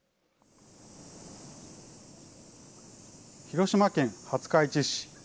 広島県廿日市市。